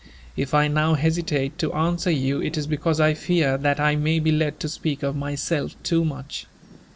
If I now hesitate to answer you, it is because I fear that I may be led to speak of myself too much.